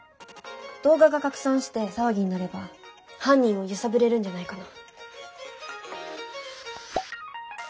動画が拡散して騒ぎになれば犯人を揺さぶれるんじゃないかな。